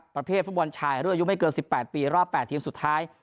ประเภทฟุตบอลชายรุ่นอายุไม่เกิน๑๘ปีรอบ๘ทีมสุดท้าย